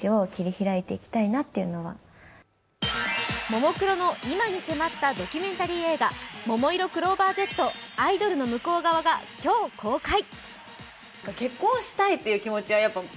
ももクロの今に迫ったドキュメンタリー映画、「ももいろクローバーＺアイドルの向こう側」が今日公開。